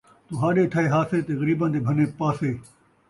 تہاݙے تھئے ہاسے تے غریباں دے بھنے پاسے